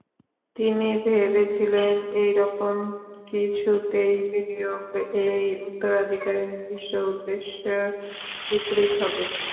তিনি ভেবেছিলেন এইরকম কিছুতে বিনিয়োগ এই উত্তরাধিকারের নির্দিষ্ট উদ্দেশ্যর বিপরীত হবে।